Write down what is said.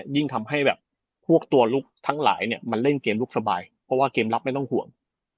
ยิ่งทำให้แบบพวกตัวลุกทั้งหลายเนี่ยมันเล่นเกมลุกสบายเพราะว่าเกมรับไม่ต้องห่วง